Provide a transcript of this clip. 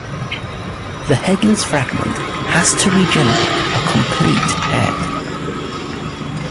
The headless fragment has to regenerate a complete head.